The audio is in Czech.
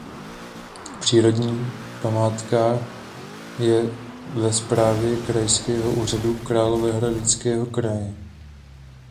Přírodní památka je ve správě Krajského úřadu Královéhradeckého kraje.